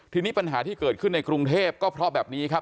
ทีนี้ปัญหาที่เกิดขึ้นในกรุงเทพก็เพราะแบบนี้ครับ